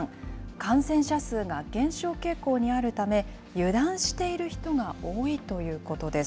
感染者数が減少傾向にあるため、油断している人が多いということです。